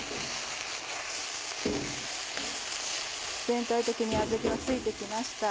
全体的に味が付いて来ました。